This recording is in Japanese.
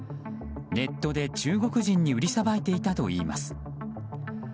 ネットで中国人に売りさばいていたといいます。